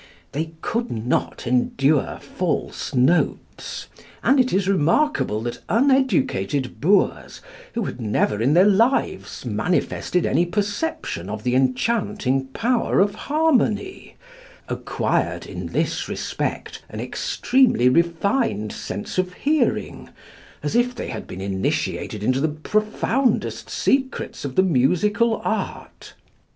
They could not endure false notes, and it is remarkable that uneducated boors, who had never in their lives manifested any perception of the enchanting power of harmony, acquired, in this respect, an extremely refined sense of hearing, as if they had been initiated into the profoundest secrets of the musical art.